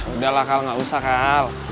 udah lah kal nggak usah kal